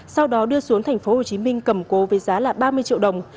sau đó đưa xuống thành phố hồ chí minh cầm cố với giá là ba mươi triệu đồng